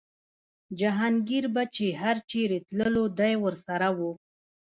جهانګیر به چې هر چېرې تللو دی ورسره و.